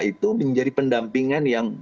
itu menjadi pendampingan yang